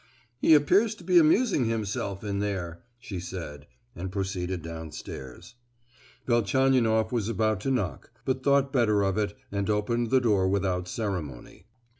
"He appears to be amusing himself in there!" she said, and proceeded downstairs. Velchaninoff was about to knock, but thought better of it and opened the door without ceremony.